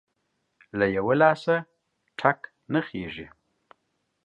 له يوه لاسه ټک نه خيږى.